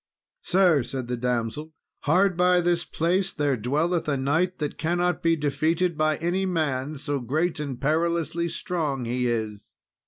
"Sir," said the damsel, "hard by this place there dwelleth a knight that cannot be defeated by any man, so great and perilously strong he is.